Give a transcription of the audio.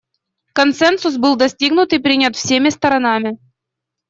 Консенсус был достигнут и принят всеми сторонами.